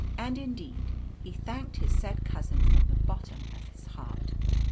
And indeed he thanked his said cousin from the bottom of his heart.